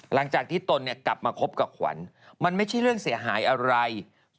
ตนเนี่ยกลับมาคบกับขวัญมันไม่ใช่เรื่องเสียหายอะไร